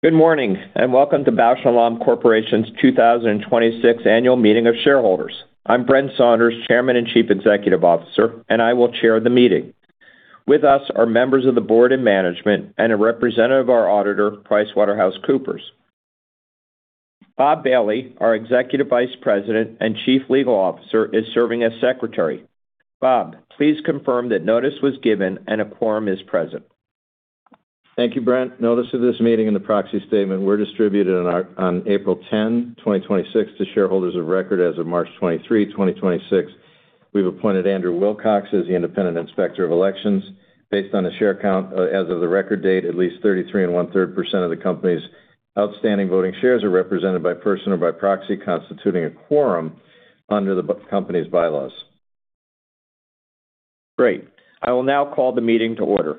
Good morning, and welcome to Bausch + Lomb Corporation's 2026 annual meeting of shareholders. I'm Brent Saunders, Chairman and Chief Executive Officer, and I will chair the meeting. With us are members of the board and management and a representative of our auditor, PricewaterhouseCoopers. Bob Bailey, our Executive Vice President and Chief Legal Officer, is serving as secretary. Bob, please confirm that notice was given and a quorum is present. Thank you, Brent. Notice of this meeting and the proxy statement were distributed on April 10, 2026, to shareholders of record as of March 23, 2026. We've appointed Andrew Wilcox as the Independent Inspector of Election. Based on a share count as of the record date, at least 331/3% of the company's outstanding voting shares are represented by person or by proxy, constituting a quorum under the company's bylaws. Great. I will now call the meeting to order.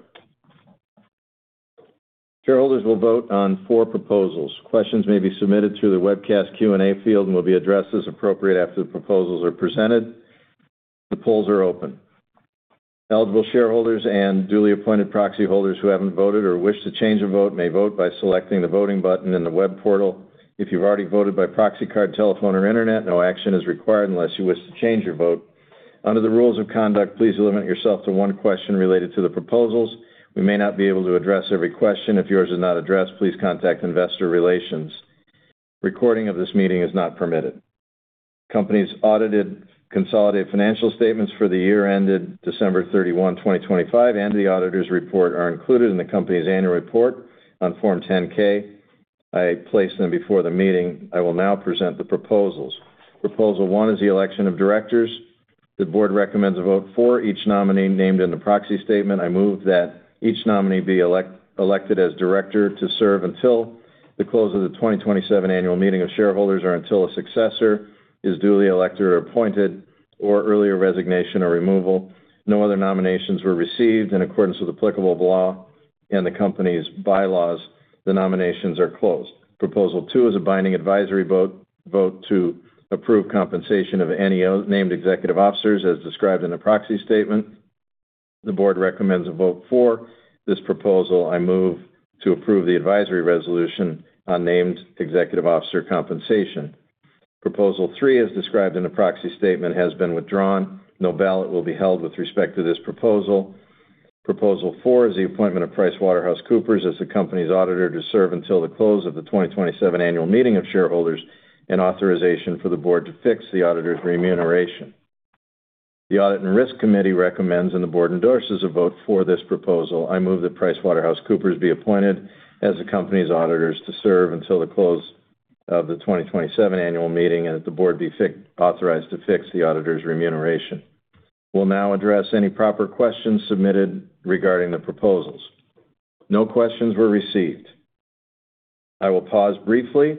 Shareholders will vote on four proposals. Questions may be submitted through the webcast Q&A field and will be addressed as appropriate after the proposals are presented. The polls are open. Eligible shareholders and duly appointed proxy holders who haven't voted or wish to change a vote may vote by selecting the Voting button in the web portal. If you've already voted by proxy card, telephone, or internet, no action is required unless you wish to change your vote. Under the rules of conduct, please limit yourself to one question related to the proposals. We may not be able to address every question. If yours is not addressed, please contact Investor Relations. Recording of this meeting is not permitted. Company's audited consolidated financial statements for the year ended December 31, 2025, and the auditor's report are included in the company's annual report on Form 10-K. I placed them before the meeting. I will now present the proposals. Proposal one is the election of Directors. The board recommends a vote for each nominee named in the proxy statement. I move that each nominee be elected as Director to serve until the close of the 2027 annual meeting of Shareholders or until a successor is duly elected or appointed or earlier resignation or removal. No other nominations were received. In accordance with applicable law and the company's bylaws, the nominations are closed. Proposal two is a binding advisory vote to approve compensation of any named Executive Officers as described in the proxy statement. The board recommends a vote for this proposal. I move to approve the advisory resolution on named executive officer compensation. Proposal three, as described in the proxy statement, has been withdrawn. No ballot will be held with respect to this proposal. Proposal four is the appointment of PricewaterhouseCoopers as the company's auditor to serve until the close of the 2027 annual meeting of shareholders and authorization for the board to fix the auditor's remuneration. The Audit and Risk Committee recommends, and the board endorses, a vote for this proposal. I move that PricewaterhouseCoopers be appointed as the company's auditors to serve until the close of the 2027 annual meeting and that the board be authorized to fix the auditor's remuneration. We'll now address any proper questions submitted regarding the proposals. No questions were received. I will pause briefly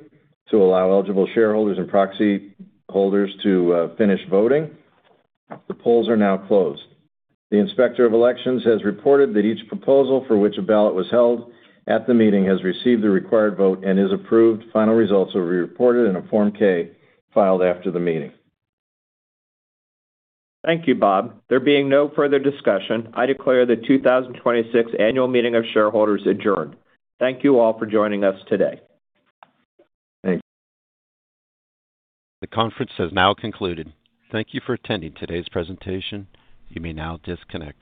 to allow eligible shareholders and proxy holders to finish voting. The polls are now closed. The Inspector of Elections has reported that each proposal for which a ballot was held at the meeting has received the required vote and is approved. Final results will be reported in a Form 8-K filed after the meeting. Thank you, Bob. There being no further discussion, I declare the 2026 Annual Meeting of Shareholders adjourned. Thank you all for joining us today. Thank you. The conference has now concluded. Thank you for attending today's presentation, you may now disconnect.